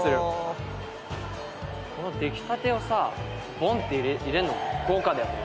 この出来たてをさぼんって入れるのも豪華だよね。